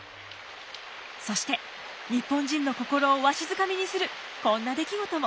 そして日本人の心をわしづかみにするこんな出来事も。